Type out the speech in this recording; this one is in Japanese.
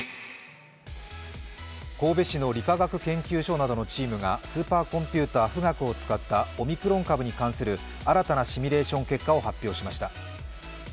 神戸市の理化学研究所などのチームがスーパーコンピューター富岳を使ったオミクロン株に関する新たなシミュレーション結果を発表しました。